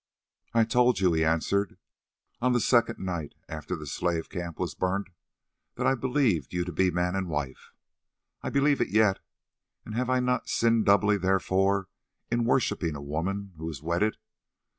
"I told you," he answered, "on the second night after the slave camp was burnt, that I believed you to be man and wife. I believe it yet, and have I not sinned doubly therefore in worshipping a woman who is wedded?